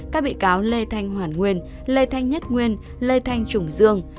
các bị cáo lê thanh hoàn nguyên lê thanh nhất nguyên lê thanh trùng dương